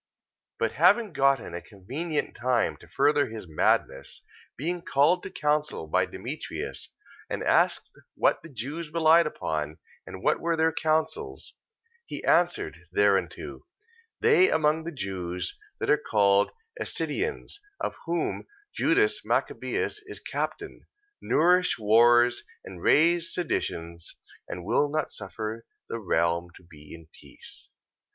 14:5. But having gotten a convenient time to further his madness, being called to counsel by Demetrius, and asked what the Jews relied upon, and what were their counsels, 14:6. He answered thereunto: They among the Jews that are called Assideans, of whom Judas Machabeus is captain, nourish wars, and raise seditions, and will not suffer the realm to be in peace.